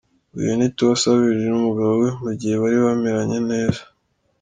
Uyu ni Tiwa Savage n’umugabo we mugihe bari bameranye neza.